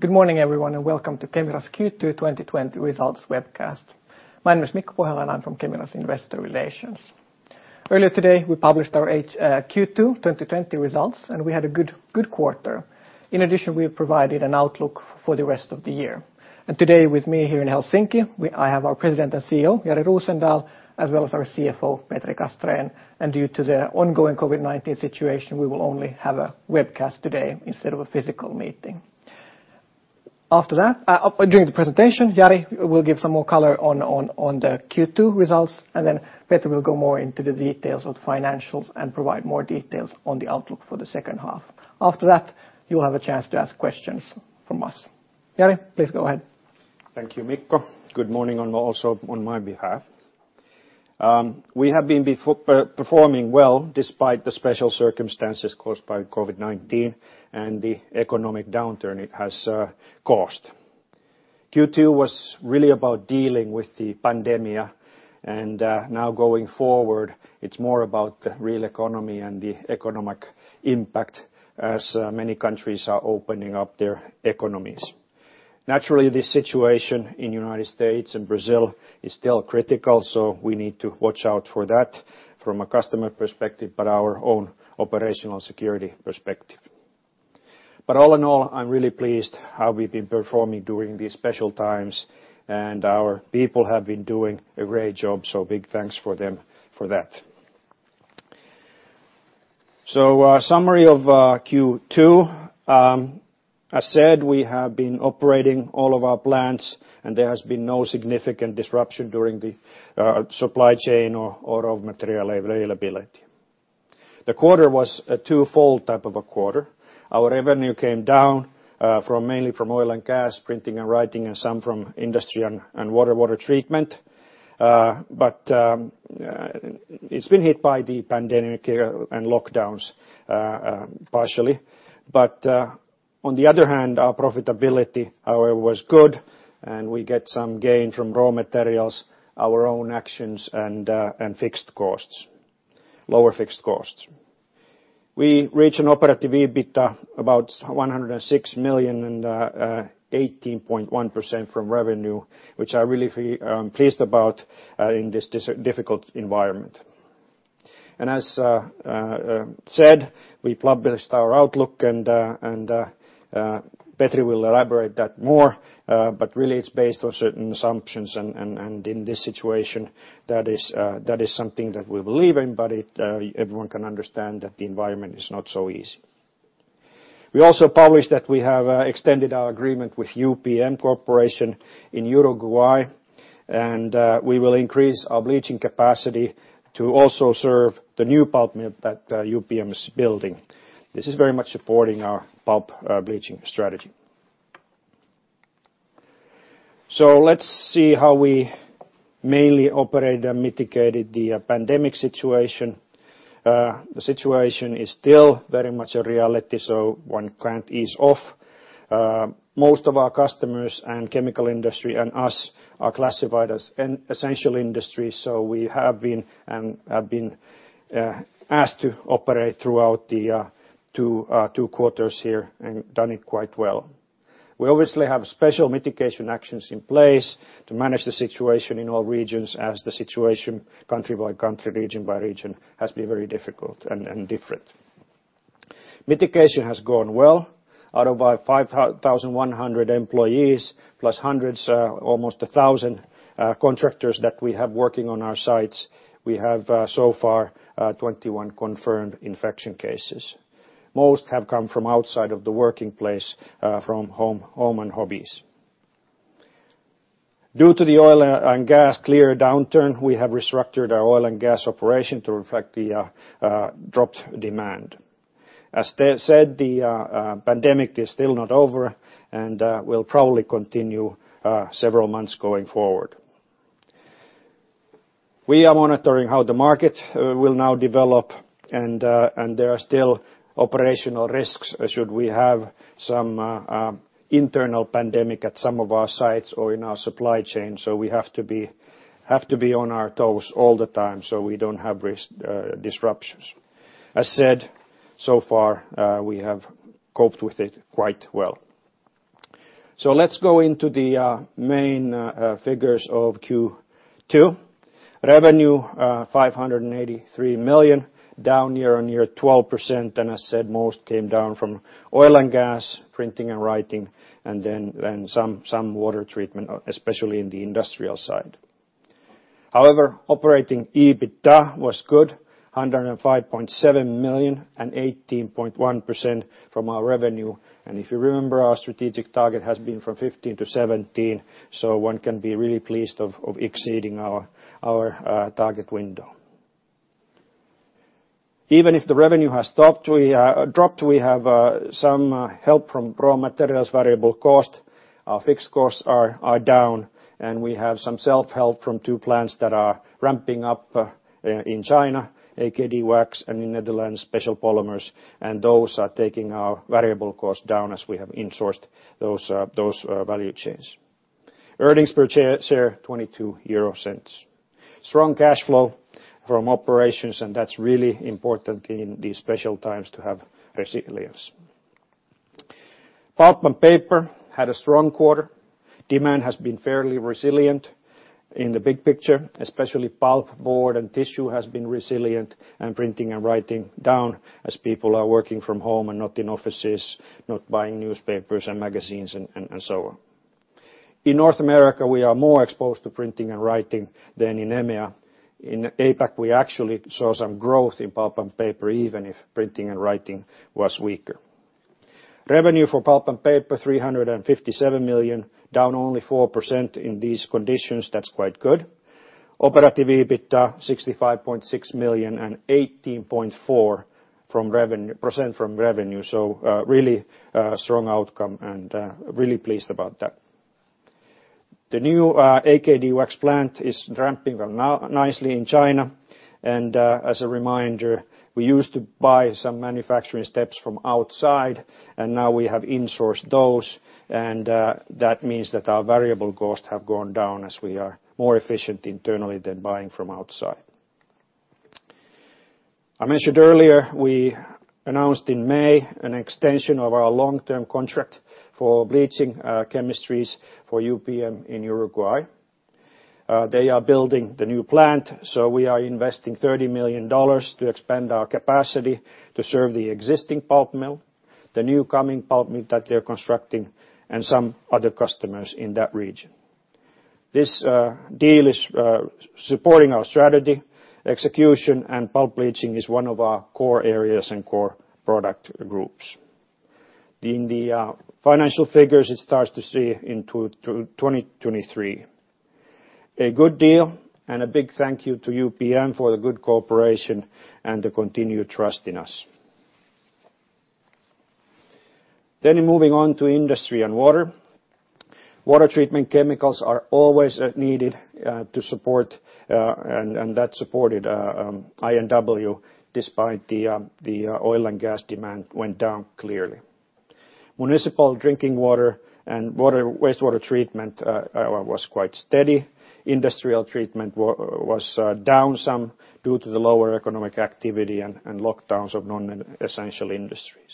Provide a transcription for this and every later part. Good morning, everyone, and welcome to Kemira's Q2 2020 results webcast. My name is Mikko Pohjala, and I'm from Kemira's investor relations. Earlier today, we published our Q2 2020 results, and we had a good quarter. In addition, we have provided an outlook for the rest of the year. Today with me here in Helsinki, I have our President and CEO, Jari Rosendal, as well as our CFO, Petri Castrén, and due to the ongoing COVID-19 situation, we will only have a webcast today instead of a physical meeting. During the presentation, Jari will give some more color on the Q2 results, and then Petri will go more into the details of the financials and provide more details on the outlook for the second half. After that, you will have a chance to ask questions from us. Jari, please go ahead. Thank you, Mikko. Good morning also on my behalf. We have been performing well despite the special circumstances caused by COVID-19 and the economic downturn it has caused. Q2 was really about dealing with the pandemic, and now going forward, it's more about the real economy and the economic impact as many countries are opening up their economies. Naturally, the situation in U.S. and Brazil is still critical, so we need to watch out for that from a customer perspective, but our own operational security perspective. All in all, I'm really pleased how we've been performing during these special times, and our people have been doing a great job, so big thanks for them for that. Summary of Q2. As said, we have been operating all of our plants, and there has been no significant disruption during the supply chain or of material availability. The quarter was a twofold type of a quarter. Our revenue came down mainly from oil and gas, printing and writing, and some from industry and water treatment, but it's been hit by the pandemic and lockdowns partially. On the other hand, our profitability, however, was good and we get some gain from raw materials, our own actions, and lower fixed costs. We reach an operative EBITDA about 106 million and 18.1% from revenue, which I'm really pleased about in this difficult environment. As said, we published our outlook and Petri will elaborate that more, but really it's based on certain assumptions and in this situation, that is something that we believe in, but everyone can understand that the environment is not so easy. We also published that we have extended our agreement with UPM-Kymmene Corporation in Uruguay, and we will increase our bleaching capacity to also serve the new pulp mill that UPM is building. This is very much supporting our pulp bleaching strategy. Let's see how we mainly operate and mitigated the pandemic situation. The situation is still very much a reality, so one can't ease off. Most of our customers and chemical industry and us are classified as an essential industry, so we have been asked to operate throughout the two quarters here and done it quite well. We obviously have special mitigation actions in place to manage the situation in all regions as the situation country by country, region by region, has been very difficult and different. Mitigation has gone well. Out of our 5,100 employees, plus hundreds, almost 1,000 contractors that we have working on our sites, we have so far 21 confirmed infection cases. Most have come from outside of the working place, from home and hobbies. Due to the oil and gas clear downturn, we have restructured our oil and gas operation to reflect the dropped demand. As said, the pandemic is still not over and will probably continue several months going forward. We are monitoring how the market will now develop and there are still operational risks should we have some internal pandemic at some of our sites or in our supply chain. We have to be on our toes all the time so we don't have disruptions. As said, so far, we have coped with it quite well. Let's go into the main figures of Q2. Revenue 583 million, down year-on-year 12%. As said, most came down from oil and gas, printing and writing, and then some water treatment, especially in the industrial side. However, operative EBITDA was good, 105.7 million and 18.1% from our revenue. If you remember, our strategic target has been from 15-17, so one can be really pleased of exceeding our target window. Even if the revenue has dropped, we have some help from raw materials variable cost. Our fixed costs are down. We have some self-help from two plants that are ramping up in China, AKD Wax, and in Netherlands, special polymers. Those are taking our variable cost down as we have in-sourced those value chains. Earnings per share, 0.22. Strong cash flow from operations. That's really important in these special times to have resilience. Pulp and paper had a strong quarter. Demand has been fairly resilient in the big picture, especially pulp, board, and tissue has been resilient, and printing and writing down as people are working from home and not in offices, not buying newspapers and magazines, and so on. In North America, we are more exposed to printing and writing than in EMEA. In APAC, we actually saw some growth in pulp and paper, even if printing and writing was weaker. Revenue for pulp and paper, 357 million, down only 4% in these conditions. That's quite good. Operative EBITDA, 65.6 million and 18.4% from revenue. Really strong outcome and really pleased about that. The new AKD Wax plant is ramping up nicely in China. As a reminder, we used to buy some manufacturing steps from outside, and now we have in-sourced those, and that means that our variable costs have gone down as we are more efficient internally than buying from outside. I mentioned earlier, we announced in May an extension of our long-term contract for bleaching chemistries for UPM in Uruguay. They are building the new plant, we are investing $30 million to expand our capacity to serve the existing pulp mill, the new coming pulp mill that they're constructing, and some other customers in that region. This deal is supporting our strategy, execution, and pulp bleaching is one of our core areas and core product groups. In the financial figures, it starts to see into 2023. A good deal, a big thank you to UPM for the good cooperation and the continued trust in us. Moving on to Industry & Water. Water treatment chemicals are always needed to support, that supported I&W despite the oil and gas demand went down clearly. Municipal drinking water and wastewater treatment was quite steady. Industrial treatment was down some due to the lower economic activity and lockdowns of non-essential industries.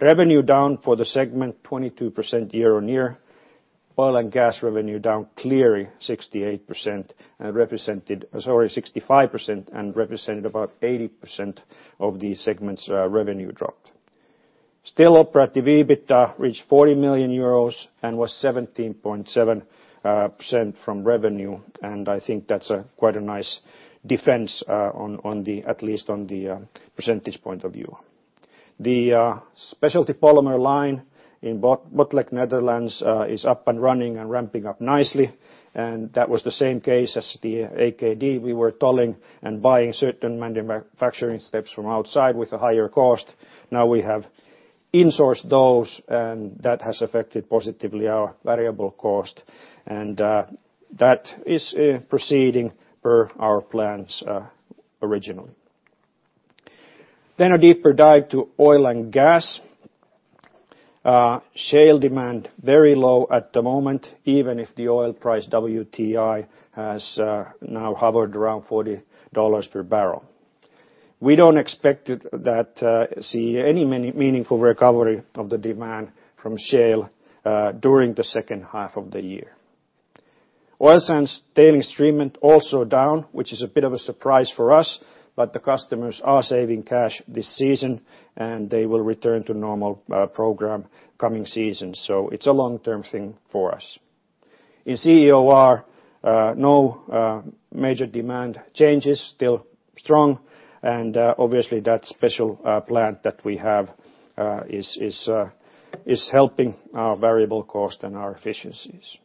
Revenue down for the segment, 22% year-over-year. Oil and gas revenue down clearly 68%, sorry, 65%, represented about 80% of the segment's revenue drop. Operative EBITDA reached 40 million euros and was 17.7% from revenue. I think that's quite a nice defense at least on the percentage point of view. The specialty polymer line in Botlek, Netherlands, is up and running and ramping up nicely, that was the same case as the AKD. We were tolling and buying certain manufacturing steps from outside with a higher cost. Now we have in-sourced those, and that has affected positively our variable cost, and that is proceeding per our plans originally. A deeper dive to oil and gas. Shale demand very low at the moment, even if the oil price WTI has now hovered around $40 per barrel. We don't expect to see any meaningful recovery of the demand from shale during the second half of the year. Oil sands tailing stream also down, which is a bit of a surprise for us, but the customers are saving cash this season, and they will return to normal program coming season. It's a long-term thing for us. In CEOR, no major demand changes, still strong, and obviously, that special plant that we have is helping our variable cost and our efficiencies.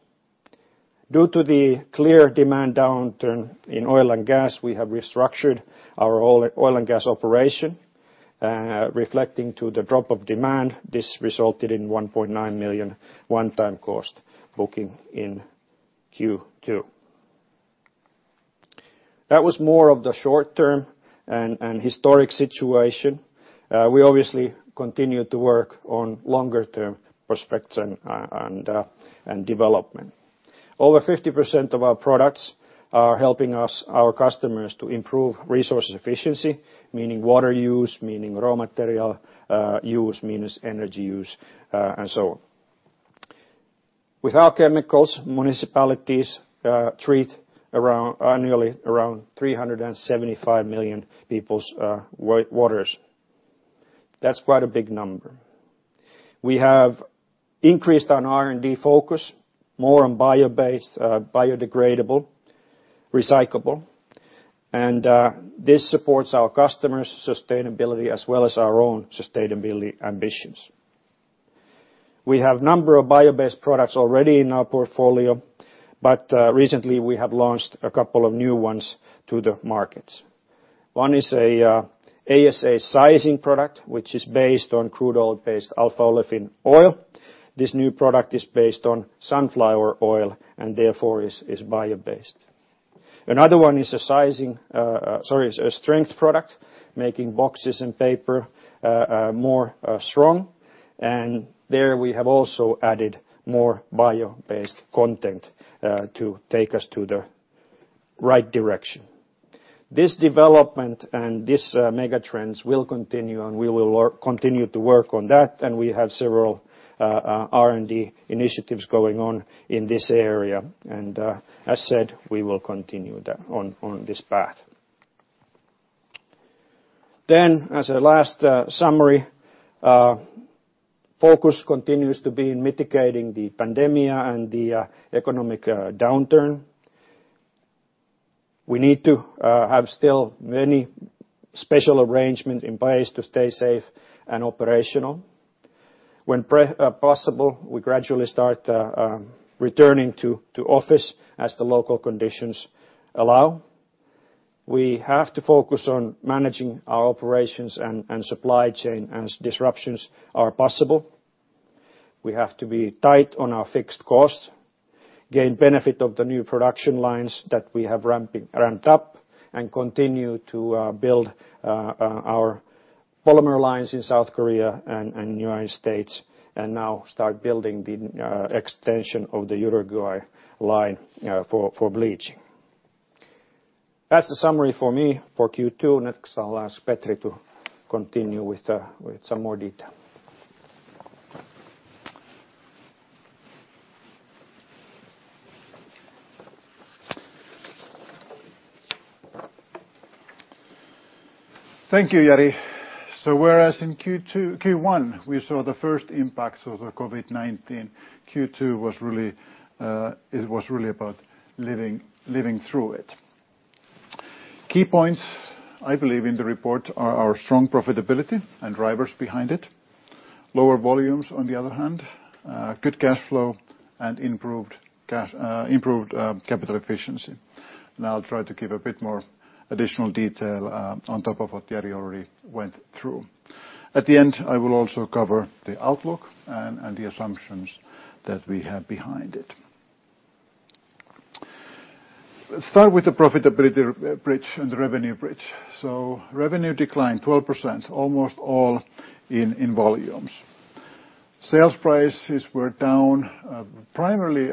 Due to the clear demand downturn in oil and gas, we have restructured our oil and gas operation, reflecting to the drop of demand. This resulted in 1.9 million one-time cost booking in Q2. That was more of the short-term and historic situation. We obviously continue to work on longer-term prospects and development. Over 50% of our products are helping our customers to improve resource efficiency, meaning water use, meaning raw material use, means energy use, and so on. With our chemicals, municipalities treat annually around 375 million people's waters. That's quite a big number. We have increased on R&D focus, more on bio-based, biodegradable, recyclable, and this supports our customers' sustainability as well as our own sustainability ambitions. We have number of bio-based products already in our portfolio, but recently we have launched a couple of new ones to the markets. One is an ASA sizing product, which is based on crude oil-based alpha-olefin oil. This new product is based on sunflower oil and therefore is bio-based. Another one is a strength product, making boxes and paper stronger. There we have also added more bio-based content to take us to the right direction. This development and these megatrends will continue, and we will continue to work on that, and we have several R&D initiatives going on in this area. As said, we will continue on this path. As a last summary, focus continues to be in mitigating the pandemic and the economic downturn. We need to have still many special arrangements in place to stay safe and operational. When possible, we gradually start returning to office as the local conditions allow. We have to focus on managing our operations and supply chain as disruptions are possible. We have to be tight on our fixed costs, gain benefit of the new production lines that we have ramped up, and continue to build our polymer lines in South Korea and U.S., and now start building the extension of the Uruguay line for bleaching. That's the summary for me for Q2. Next, I'll ask Petri to continue with some more detail. Thank you, Jari. Whereas in Q1, we saw the first impacts of the COVID-19, Q2 was really about living through it. Key points, I believe, in the report are our strong profitability and drivers behind it, lower volumes on the other hand, good cash flow, and improved capital efficiency. Now I'll try to give a bit more additional detail on top of what Jari already went through. At the end, I will also cover the outlook and the assumptions that we have behind it. Let's start with the profitability bridge and the revenue bridge. Revenue declined 12%, almost all in volumes. Sales prices were down primarily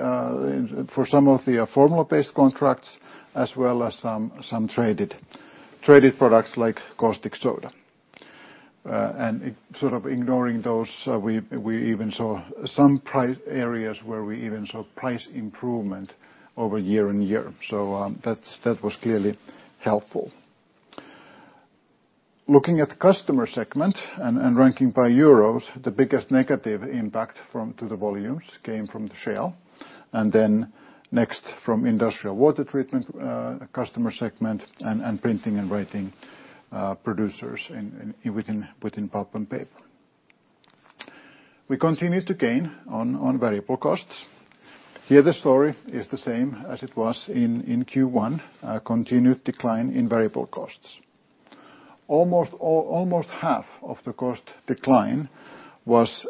for some of the formula-based contracts as well as some traded products like caustic soda. Sort of ignoring those, we even saw some price areas where we even saw price improvement over year-over-year. That was clearly helpful. Looking at the customer segment and ranking by EUR, the biggest negative impact to the volumes came from shale, and then next from industrial water treatment customer segment and printing and writing producers within pulp and paper. We continued to gain on variable costs. Here, the story is the same as it was in Q1, a continued decline in variable costs. Almost half of the cost decline was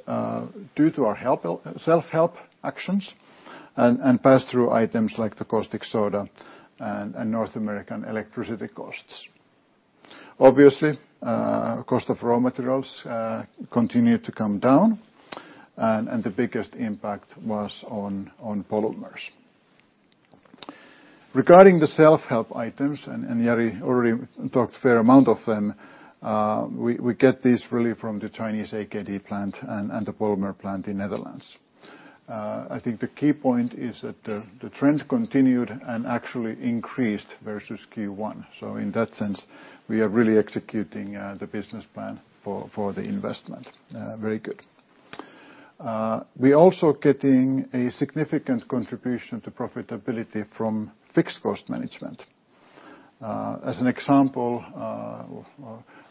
due to our self-help actions and pass-through items like the caustic soda and North American electricity costs. Obviously, cost of raw materials continued to come down, and the biggest impact was on polymers. Regarding the self-help items, and Jari already talked a fair amount of them, we get this really from the Chinese AKD plant and the polymer plant in Netherlands. I think the key point is that the trends continued and actually increased versus Q1. In that sense, we are really executing the business plan for the investment very good. We also getting a significant contribution to profitability from fixed cost management. As an example,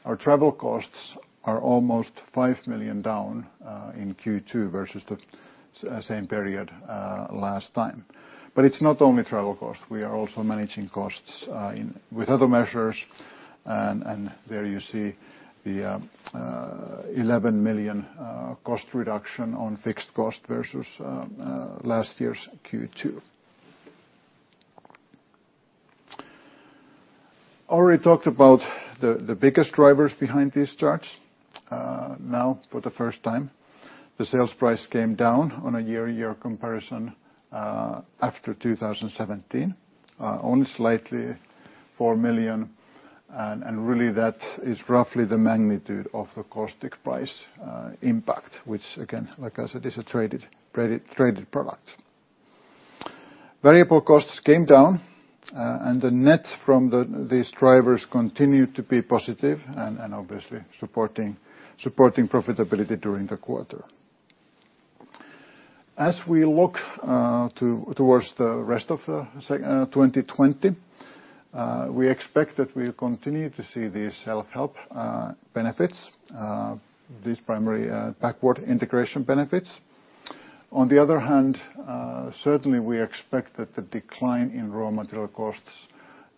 our travel costs are almost 5 million down in Q2 versus the same period last time. It's not only travel costs, we are also managing costs with other measures, and there you see the 11 million cost reduction on fixed cost versus last year's Q2. Already talked about the biggest drivers behind these charts. For the first time, the sales price came down on a year-on-year comparison after 2017, only slightly 4 million, and really that is roughly the magnitude of the caustic price impact, which again, like I said, is a traded product. Variable costs came down, the net from these drivers continued to be positive and obviously supporting profitability during the quarter. As we look towards the rest of 2020, we expect that we'll continue to see these self-help benefits, these primary backward integration benefits. Certainly we expect that the decline in raw material costs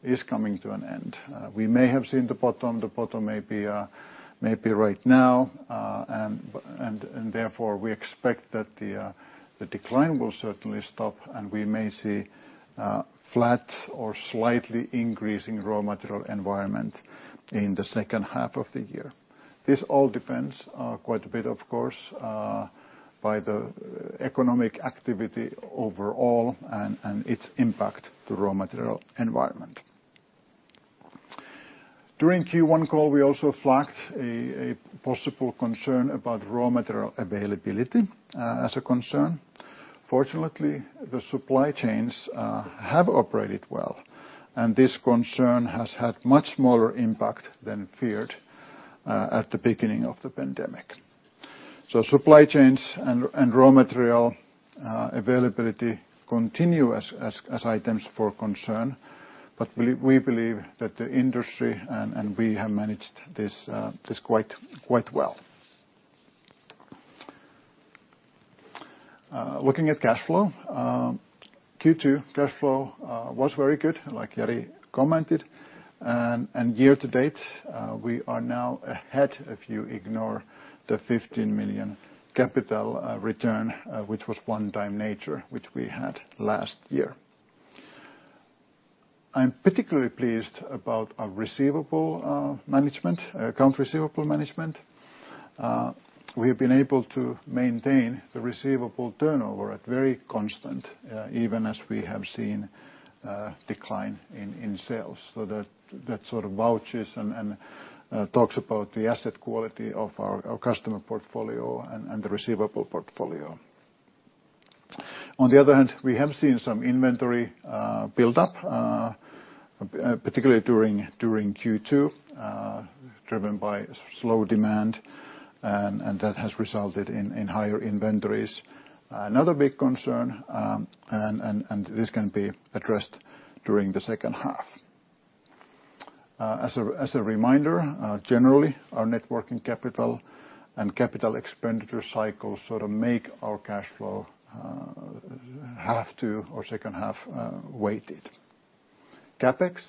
is coming to an end. We may have seen the bottom. The bottom may be right now. Therefore, we expect that the decline will certainly stop, and we may see a flat or slightly increasing raw material environment in the second half of the year. This all depends quite a bit, of course, by the economic activity overall and its impact to raw material environment. During Q1 call, we also flagged a possible concern about raw material availability as a concern. Fortunately, the supply chains have operated well, and this concern has had much smaller impact than feared at the beginning of the pandemic. Supply chains and raw material availability continue as items for concern, but we believe that the industry and we have managed this quite well. Looking at cash flow. Q2 cash flow was very good, like Jari commented. Year-to-date, we are now ahead if you ignore the 15 million capital return, which was one-time nature, which we had last year. I'm particularly pleased about our receivable management, account receivable management. We've been able to maintain the receivable turnover at very constant, even as we have seen a decline in sales. That sort of vouches and talks about the asset quality of our customer portfolio and the receivable portfolio. On the other hand, we have seen some inventory buildup, particularly during Q2, driven by slow demand, and that has resulted in higher inventories. Another big concern, and this can be addressed during the second half. As a reminder, generally, our net working capital and CapEx cycles sort of make our cash flow half to our second half weighted. CapEx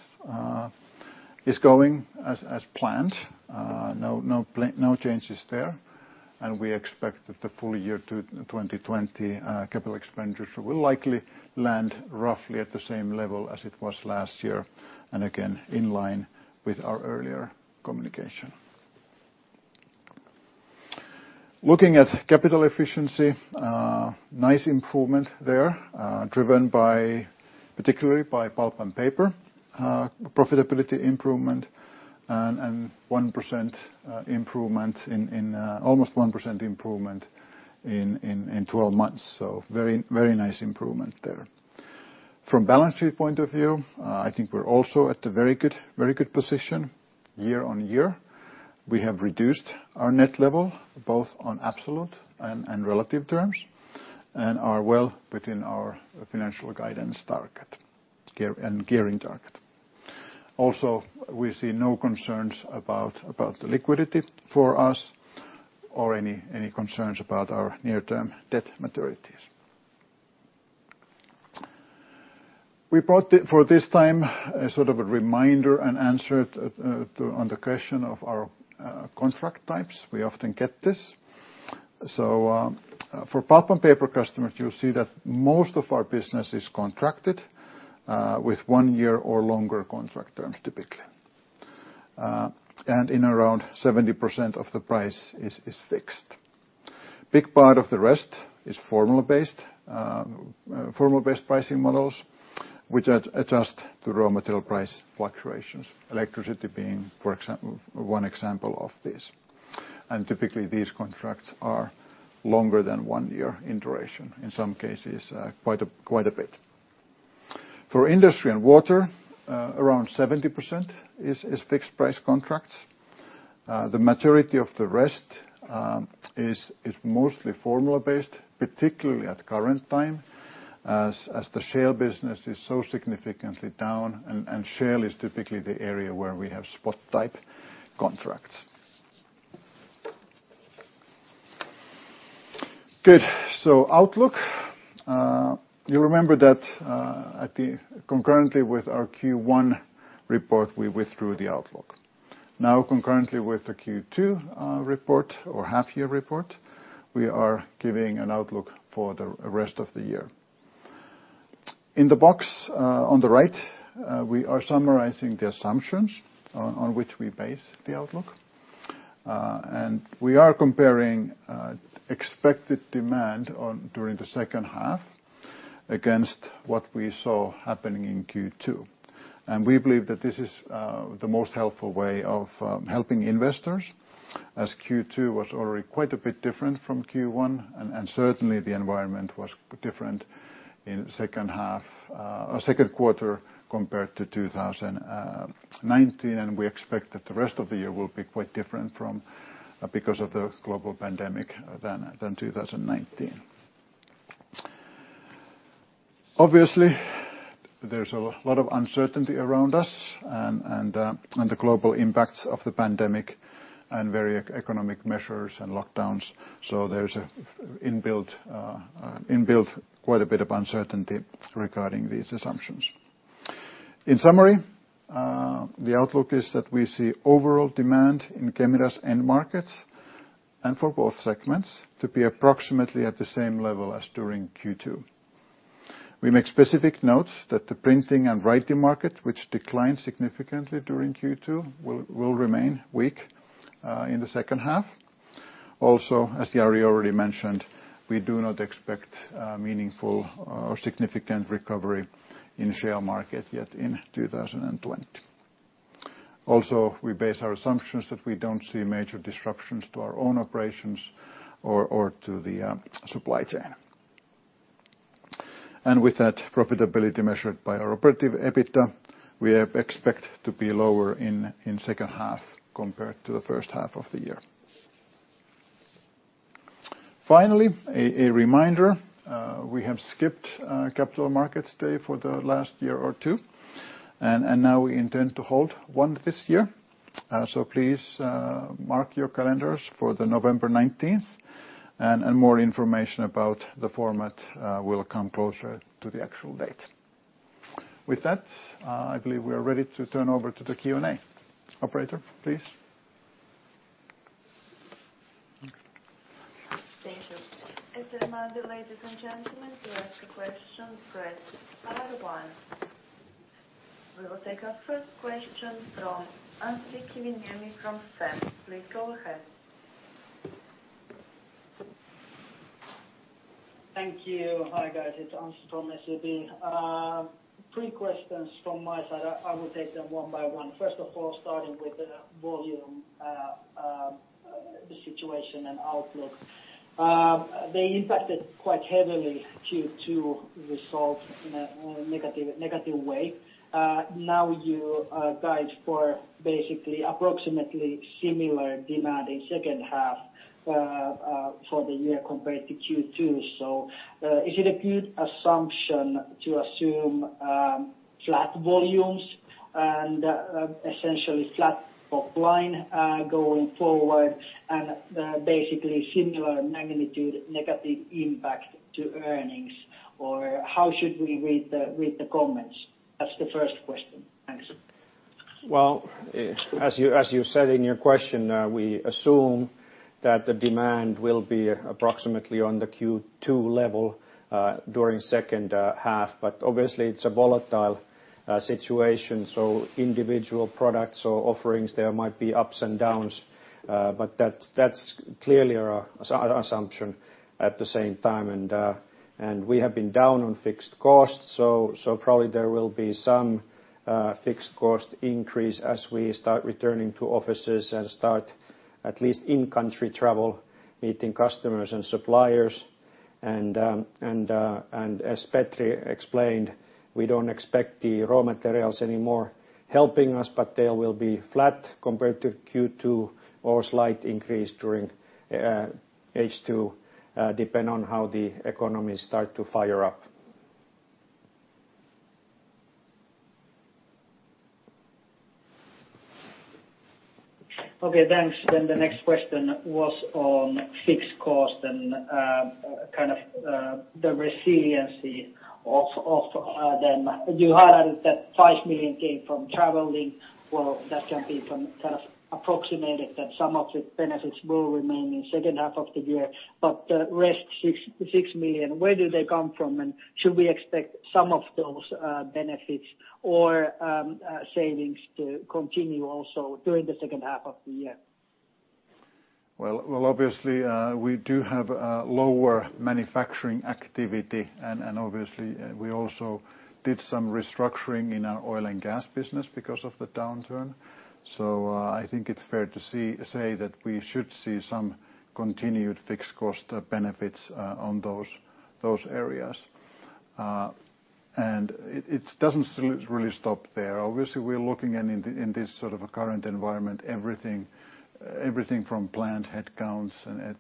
is going as planned. No changes there. We expect that the full year 2020 capital expenditures will likely land roughly at the same level as it was last year, again, in line with our earlier communication. Looking at capital efficiency. Nice improvement there, driven particularly by pulp and paper profitability improvement and almost 1% improvement in 12 months. Very, very nice improvement there. From balance sheet point of view, I think we're also at a very good position year-on-year. We have reduced our net level, both on absolute and relative terms, and are well within our financial guidance target and gearing target. Also, we see no concerns about the liquidity for us or any concerns about our near-term debt maturities. We brought for this time a sort of a reminder and answer on the question of our contract types. We often get this. For pulp and paper customers, you'll see that most of our business is contracted with one year or longer contract terms, typically. In around 70% of the price is fixed. Big part of the rest is formula-based pricing models, which adjust to raw material price fluctuations, electricity being one example of this. Typically, these contracts are longer than one year in duration, in some cases, quite a bit. For Industry & Water, around 70% is fixed-price contracts. The majority of the rest is mostly formula-based, particularly at the current time as the shale business is so significantly down. Shale is typically the area where we have spot-type contracts. Good. Outlook. You remember that concurrently with our Q1 report, we withdrew the outlook. Now concurrently with the Q2 report or half-year report, we are giving an outlook for the rest of the year. In the box on the right, we are summarizing the assumptions on which we base the outlook. We are comparing expected demand during the second half against what we saw happening in Q2. We believe that this is the most helpful way of helping investors, as Q2 was already quite a bit different from Q1, and certainly the environment was different in second quarter compared to 2019. We expect that the rest of the year will be quite different because of the global pandemic than 2019. Obviously, there's a lot of uncertainty around us and the global impacts of the pandemic and very economic measures and lockdowns. There's inbuilt quite a bit of uncertainty regarding these assumptions. In summary, the outlook is that we see overall demand in Kemira's end markets, and for both segments, to be approximately at the same level as during Q2. We make specific notes that the printing and writing market, which declined significantly during Q2, will remain weak in the second half. As Jari already mentioned, we do not expect meaningful or significant recovery in shale market yet in 2020. We base our assumptions that we don't see major disruptions to our own operations or to the supply chain. With that profitability measured by our operative EBITDA, we expect to be lower in second half compared to the first half of the year. Finally, a reminder. We have skipped Capital Markets Day for the last year or two. Now we intend to hold one this year. Please mark your calendars for the November 19th. More information about the format will come closer to the actual date. With that, I believe we are ready to turn over to the Q&A. Operator, please. Thank you. As a reminder, ladies and gentlemen, to ask a question, press star one. We will take our first question from Anssi Kivimäki from SEB. Please go ahead. Thank you. Hi, guys. It's Anssi from SEB. Three questions from my side. I will take them one by one. First of all, starting with the volume, the situation and outlook. They impacted quite heavily Q2 results in a negative way. You guide for basically approximately similar demand in second half for the year compared to Q2. Is it a good assumption to assume flat volumes and essentially flat top line going forward, and basically similar magnitude negative impact to earnings? How should we read the comments? That's the first question. Thanks. Well, as you said in your question, we assume that the demand will be approximately on the Q2 level during second half. Obviously, it's a volatile situation, so individual products or offerings, there might be ups and downs. That's clearly our assumption at the same time. We have been down on fixed costs, so probably there will be some fixed cost increase as we start returning to offices and start at least in-country travel, meeting customers and suppliers. As Petri explained, we don't expect the raw materials anymore helping us, but they will be flat compared to Q2 or slight increase during H2, depend on how the economy start to fire up. Okay, thanks. The next question was on fixed costs and kind of the resiliency of them. You highlighted that 5 million came from traveling. Well, that can be kind of approximated that some of the benefits will remain in second half of the year. The rest 6 million, where do they come from, and should we expect some of those benefits or savings to continue also during the second half of the year? Well, obviously, we do have lower manufacturing activity. Obviously, we also did some restructuring in our oil and gas business because of the downturn. I think it's fair to say that we should see some continued fixed cost benefits on those areas. It doesn't really stop there. Obviously, we are looking in this sort of a current environment, everything from plant headcounts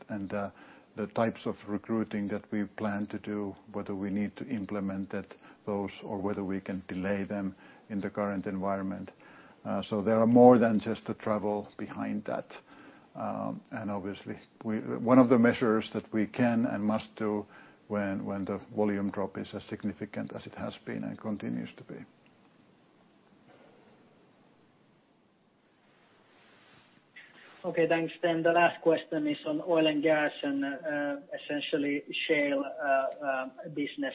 and the types of recruiting that we plan to do, whether we need to implement those or whether we can delay them in the current environment. There are more than just the travel behind that. Obviously, one of the measures that we can and must do when the volume drop is as significant as it has been and continues to be. Okay, thanks. The last question is on oil and gas and essentially shale business.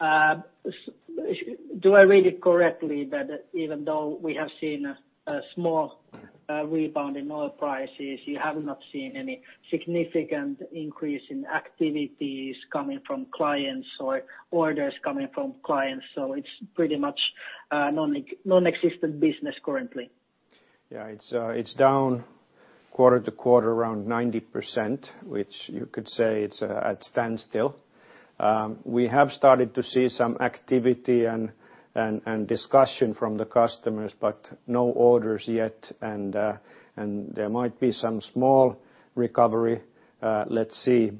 Do I read it correctly that even though we have seen a small rebound in oil prices, you have not seen any significant increase in activities coming from clients or orders coming from clients? It's pretty much a nonexistent business currently. Yeah. It's down quarter-to-quarter around 90%, which you could say it's at standstill. We have started to see some activity and discussion from the customers, but no orders yet. There might be some small recovery. Let's see.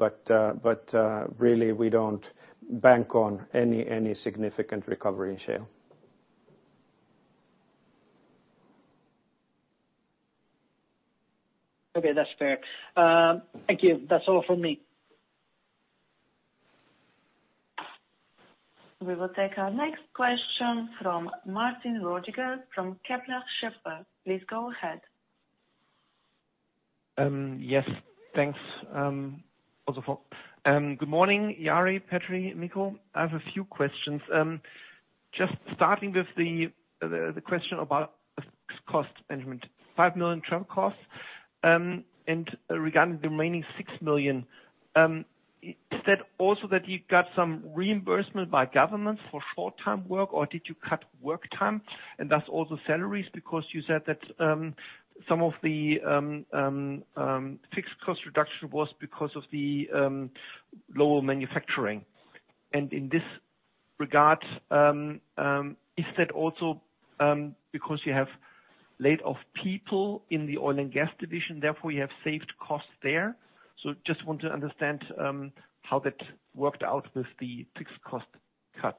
Really, we don't bank on any significant recovery in shale Okay, that's fair. Thank you. That's all from me. We will take our next question from Martin Roediger from Kepler Cheuvreux. Please go ahead. Yes, thanks. Good morning, Jari, Petri, Mikko. I have a few questions. Just starting with the question about fixed cost management, 5 million travel costs, and regarding the remaining 6 million. You said also that you got some reimbursement by governments for short-term work or did you cut work time and thus also salaries? You said that some of the fixed cost reduction was because of the lower manufacturing. In this regard, is that also because you have laid off people in the oil and gas division, therefore you have saved costs there? Just want to understand how that worked out with the fixed cost cut.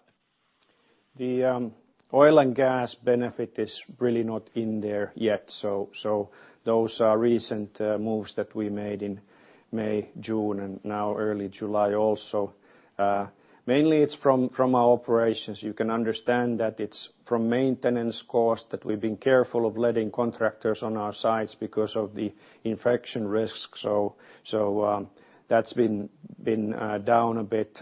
The oil and gas benefit is really not in there yet. Those are recent moves that we made in May, June, and now early July also. Mainly it's from our operations. You can understand that it's from maintenance costs that we've been careful of letting contractors on our sites because of the infection risk. That's been down a bit.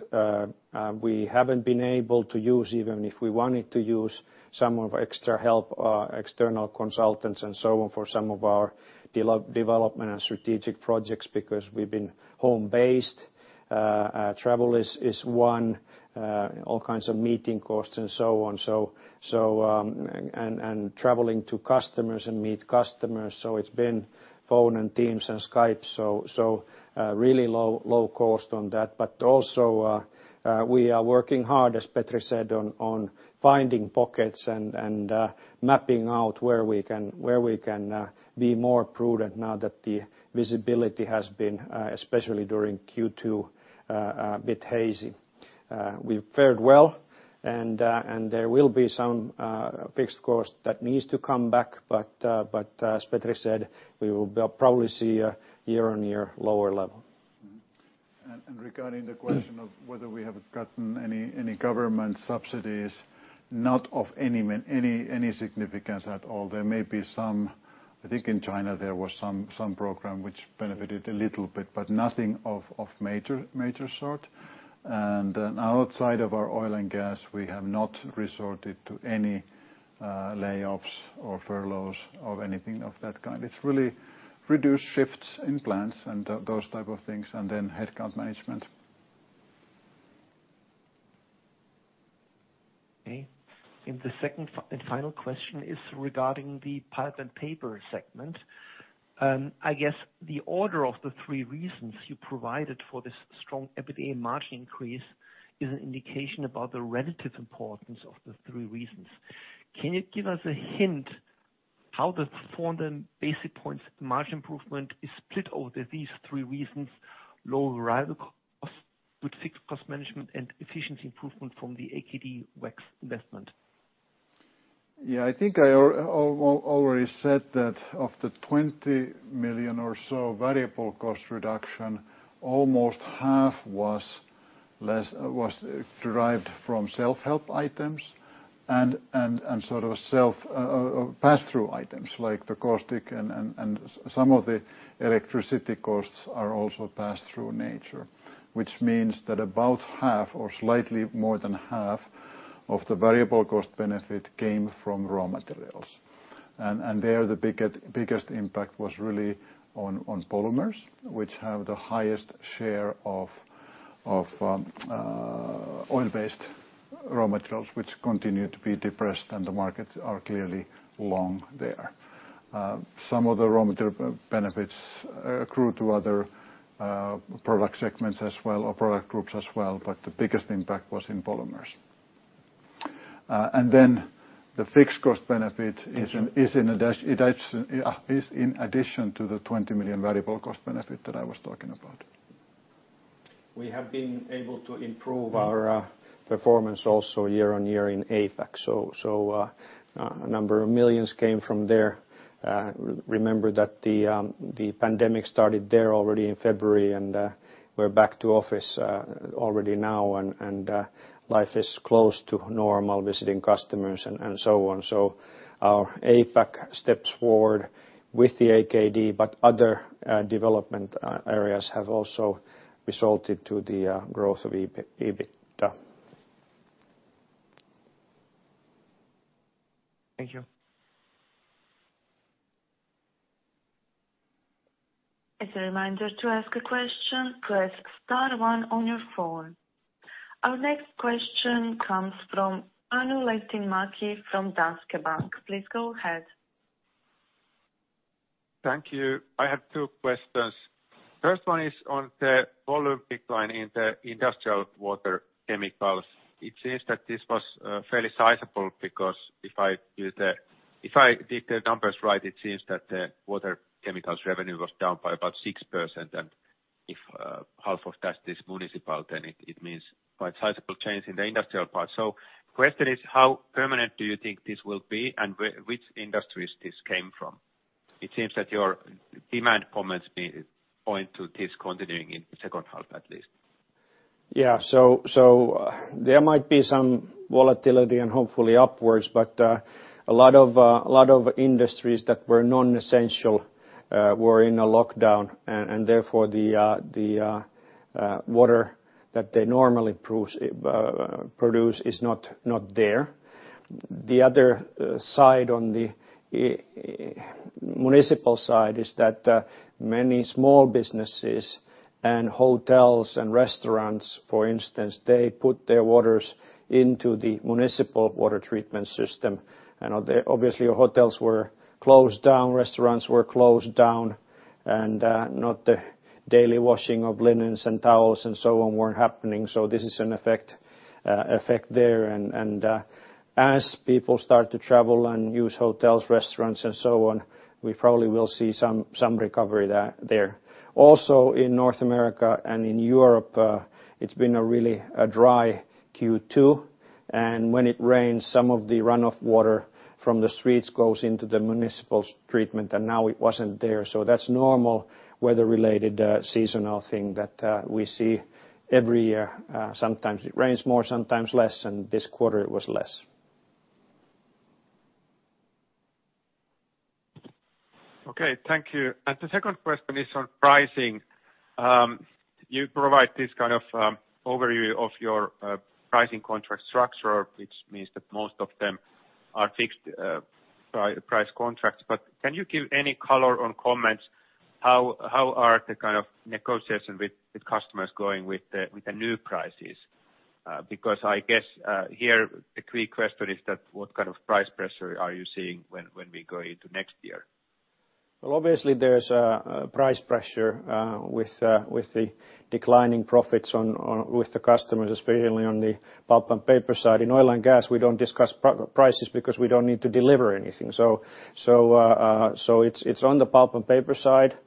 We haven't been able to use, even if we wanted to use, some of extra help, external consultants and so on, for some of our development and strategic projects because we've been home-based. Travel is one, all kinds of meeting costs and so on, and traveling to customers and meet customers. It's been phone and Teams and Skype. Really low cost on that. Also we are working hard, as Petri said, on finding pockets and mapping out where we can be more prudent now that the visibility has been, especially during Q2, a bit hazy. We've fared well, and there will be some fixed cost that needs to come back. As Petri said, we will probably see a year-on-year lower level. Regarding the question of whether we have gotten any government subsidies, not of any significance at all. There may be some, I think in China there was some program which benefited a little bit, but nothing of major sort. Outside of our oil and gas, we have not resorted to any layoffs or furloughs or anything of that kind. It's really reduced shifts in plants and those type of things, and then headcount management. Okay. The second and final question is regarding the Pulp and Paper segment. I guess the order of the three reasons you provided for this strong EBITDA margin increase is an indication about the relative importance of the three reasons. Can you give us a hint how the 400 basis points margin improvement is split over these three reasons, low variable cost with fixed cost management and efficiency improvement from the AKD Wax investment? I think I already said that of the 20 million or so variable cost reduction, almost half was derived from self-help items and sort of self pass-through items like the caustic and some of the electricity costs are also pass-through in nature. Means that about half or slightly more than half of the variable cost benefit came from raw materials. There the biggest impact was really on polymers, which have the highest share of oil-based raw materials, which continue to be depressed and the markets are clearly long there. Some of the raw material benefits accrue to other product segments as well, or product groups as well, but the biggest impact was in polymers. The fixed cost benefit is in addition to the 20 million variable cost benefit that I was talking about. We have been able to improve our performance also year-on-year in APAC. A number of millions came from there. Remember that the pandemic started there already in February and we're back to office already now and life is close to normal, visiting customers and so on. Our APAC steps forward with the AKD but other development areas have also resulted to the growth of EBITDA. Thank you. As a reminder, to ask a question press star one on your phone. Our next question comes from Anu Lehtimäki from Danske Bank. Please go ahead. Thank you. I have two questions. First one is on the volume decline in the industrial water chemicals. It seems that this was fairly sizable because if I did the numbers right, it seems that the water chemicals revenue was down by about 6%. If half of that is municipal, then it means quite a sizable change in the industrial part. The question is, how permanent do you think this will be, and which industries this came from? It seems that your demand comments point to this continuing in the second half, at least. Yeah. There might be some volatility and hopefully upwards, but a lot of industries that were non-essential were in a lockdown, and therefore the water that they normally produce is not there. The other side, on the municipal side, is that many small businesses and hotels and restaurants, for instance, they put their waters into the municipal water treatment system. Obviously, hotels were closed down, restaurants were closed down, and the daily washing of linens and towels and so on weren't happening. This is an effect there. As people start to travel and use hotels, restaurants, and so on, we probably will see some recovery there. Also in North America and in Europe, it's been a really dry Q2, and when it rains, some of the runoff water from the streets goes into the municipal treatment, and now it wasn't there. That's normal weather-related seasonal thing that we see every year. Sometimes it rains more, sometimes less, and this quarter it was less. Okay, thank you. The second question is on pricing. You provide this kind of overview of your pricing contract structure, which means that most of them are fixed price contracts. Can you give any color or comments, how are the kind of negotiations with the customers going with the new prices? I guess here the key question is that what kind of price pressure are you seeing when we go into next year? Well, obviously there's price pressure with the declining profits with the customers, especially on the pulp and paper side. In oil and gas, we don't discuss prices because we don't need to deliver anything. It's on the pulp and paper side.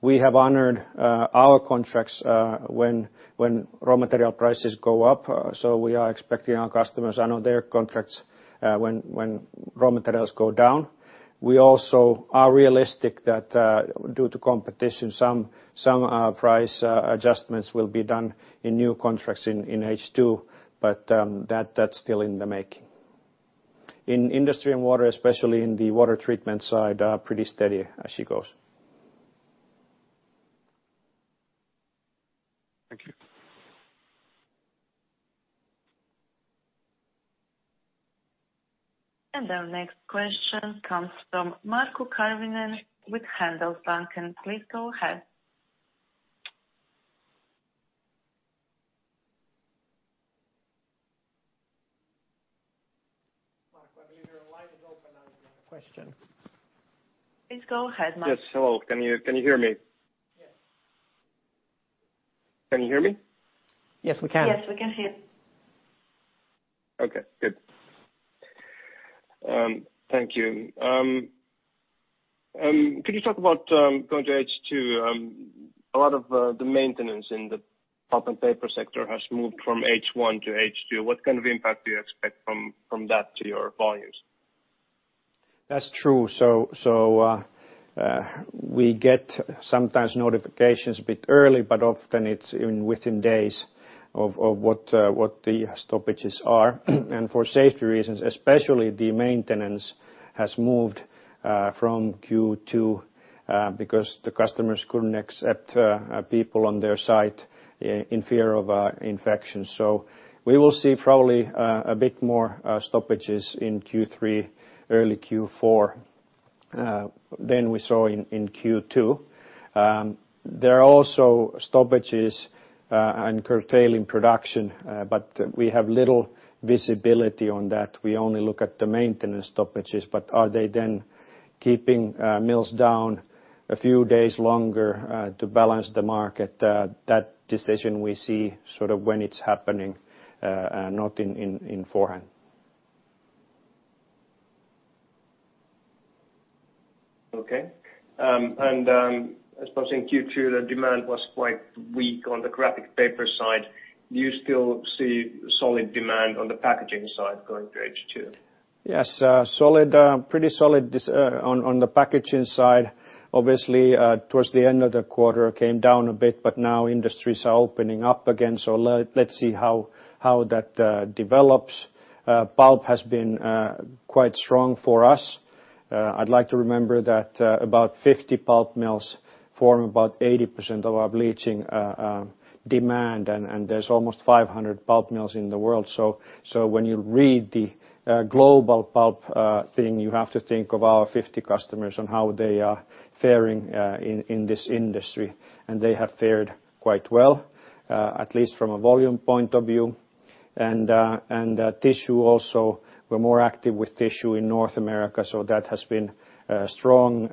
We have honored our contracts when raw material prices go up. We are expecting our customers to honor their contracts when raw materials go down. We also are realistic that due to competition, some price adjustments will be done in new contracts in H2. That's still in the making. In Industry and Water, especially in the water treatment side, pretty steady as she goes. Thank you. Our next question comes from Marko Karvonen with Handelsbanken. Please go ahead. Marko, I believe your line is open. I have a question. Please go ahead, Marko. Yes, hello. Can you hear me? Yes. Can you hear me? Yes, we can. Yes, we can hear. Okay, good. Thank you. Could you talk about going to H2? A lot of the maintenance in the pulp and paper sector has moved from H1 to H2. What kind of impact do you expect from that to your volumes? That's true. We get sometimes notifications a bit early, but often it's within days of what the stoppages are. For safety reasons, especially the maintenance has moved from Q2 because the customers couldn't accept people on their site in fear of infection. We will see probably a bit more stoppages in Q3, early Q4, than we saw in Q2. There are also stoppages and curtailing production, but we have little visibility on that. We only look at the maintenance stoppages. Are they then keeping mills down a few days longer to balance the market? That decision we see sort of when it's happening, not in forehand. Okay. I suppose in Q2, the demand was quite weak on the graphic paper side. Do you still see solid demand on the packaging side going to H2? Yes, pretty solid on the packaging side. Obviously, towards the end of the quarter, it came down a bit. Now industries are opening up again. Let's see how that develops. Pulp has been quite strong for us. I'd like to remember that about 50 pulp mills form about 80% of our bleaching demand. There's almost 500 pulp mills in the world. When you read the global pulp thing, you have to think of our 50 customers and how they are faring in this industry. They have fared quite well, at least from a volume point of view. Tissue also, we're more active with tissue in North America. That has been strong.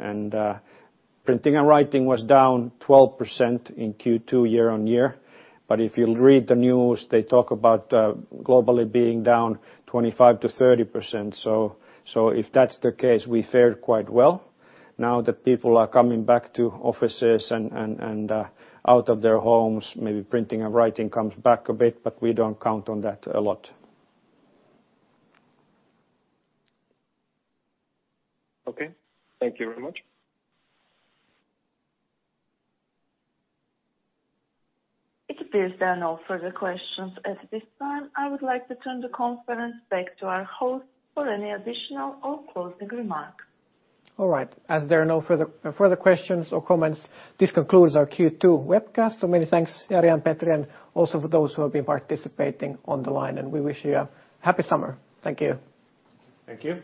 Printing and writing was down 12% in Q2 year-on-year. If you read the news, they talk about globally being down 25%-30%. If that's the case, we fared quite well. Now that people are coming back to offices and out of their homes, maybe printing and writing comes back a bit, but we don't count on that a lot. Okay. Thank you very much. It appears there are no further questions at this time. I would like to turn the conference back to our host for any additional or closing remarks. All right. As there are no further questions or comments, this concludes our Q2 webcast. Many thanks, Jari and Petri, and also for those who have been participating on the line, and we wish you a happy summer. Thank you. Thank you.